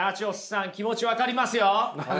さん気持ち分かりますよ。